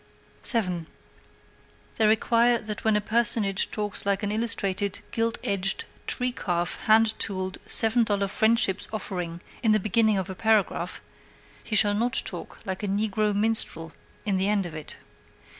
7. They require that when a personage talks like an illustrated, gilt edged, tree calf, hand tooled, seven dollar Friendship's Offering in the beginning of a paragraph, he shall not talk like a negro minstrel in the end of it.